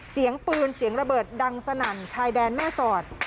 เสียงปืนเสียงระเบิดดังสนั่นชายแดนแม่สอด